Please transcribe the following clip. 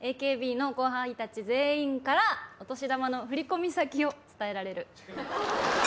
ＡＫＢの後輩たち全員からお年玉の振り込み先を伝えられる。